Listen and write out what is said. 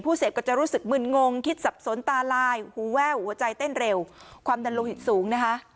เสพก็จะรู้สึกมึนงงคิดสับสนตาลายหูแว่วหัวใจเต้นเร็วความดันโลหิตสูงนะคะ